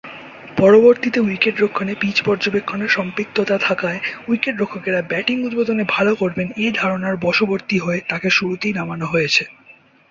পরবর্তীতে উইকেট-রক্ষণে পীচ পর্যবেক্ষণে সম্পৃক্ততা থাকায় উইকেট-রক্ষকেরা ব্যাটিং উদ্বোধনে ভাল করবেন এ ধারনার বশবর্তী হয়ে তাকে শুরুতেই নামানো হয়েছে।